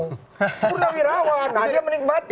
purnawirawan aja menikmati